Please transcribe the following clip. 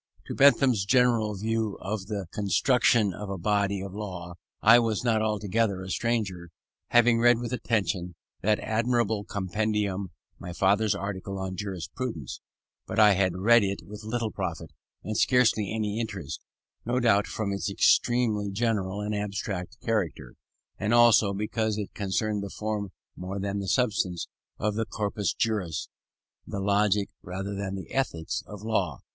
To Bentham's general view of the construction of a body of law I was not altogether a stranger, having read with attention that admirable compendium, my father's article on Jurisprudence: but I had read it with little profit, and scarcely any interest, no doubt from its extremely general and abstract character, and also because it concerned the form more than the substance of the corpus juris, the logic rather than the ethics of law.